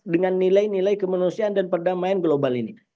dengan nilai nilai kemanusiaan dan perdamaian global ini